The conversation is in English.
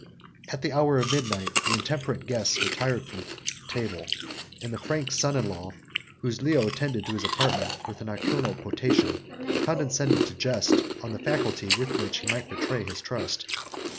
At the hour of midnight, the intemperate guests retired from the table; and the Frank's son in law, whom Leo attended to his apartment with a nocturnal potation, condescended to jest on the facility with which he might betray his trust.